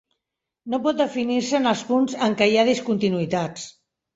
No pot definir-se en els punts en què hi ha discontinuïtats.